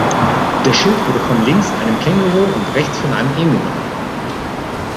Der Schild wurde links von einem Känguru und rechts von einem Emu gehalten.